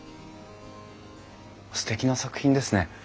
すてきな作品ですね。